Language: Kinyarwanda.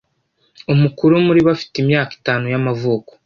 umukuru muri bo afite imyaka itanu y’amavuko